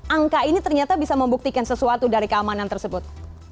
angka ini ternyata bisa membuktikan sesuatu dari keamanan tersebut